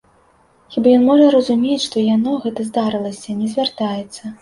Хіба ён можа разумець, што яно, гэтае здарылася, не звяртаецца?